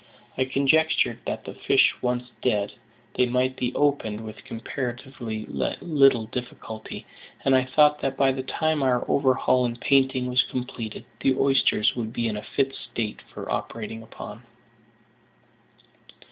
I conjectured that, the fish once dead, they might be opened with comparatively little difficulty; and I thought that by the time our overhaul and painting was completed, the oysters would be in a fit state for operating upon.